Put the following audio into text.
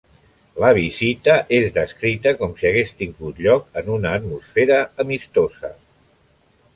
La visita és descrita com si hagués tingut lloc en una atmosfera amistosa.